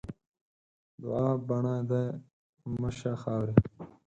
دوعا؛ بڼه دې مه شه خاوري.